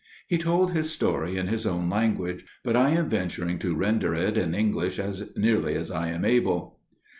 He told his story in his own language ; but I am venturing to render it in English as nearly as I am able.